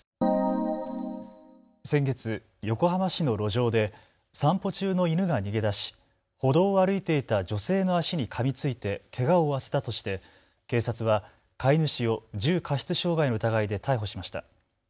先月、横浜市の路上で散歩中の犬が逃げ出し歩道を歩いていた女性の足にかみついてけがを負わせたとして警察は飼い主を重過失傷害の疑いで逮捕しました。